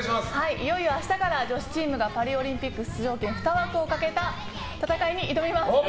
いよいよ明日から女子チームがパリオリンピック出場権２枠をかけた戦いに挑みます。